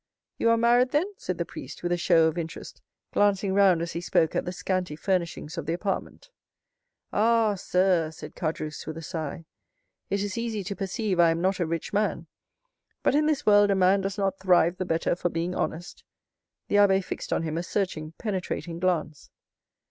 "You are married, then?" said the priest, with a show of interest, glancing round as he spoke at the scanty furnishings of the apartment. "Ah, sir," said Caderousse with a sigh, "it is easy to perceive I am not a rich man; but in this world a man does not thrive the better for being honest." The abbé fixed on him a searching, penetrating glance.